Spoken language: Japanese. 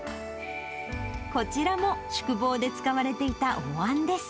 こちらも宿坊で使われていたおわんです。